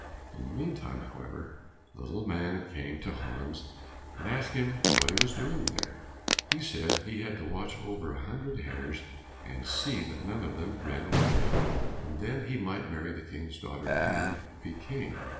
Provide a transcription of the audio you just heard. In the meantime, however, the little man came again to Hans, and asked him what he was doing there? He said he had to watch over a hundred hares and see that none of them ran away, and then he might marry the King's daughter and be King.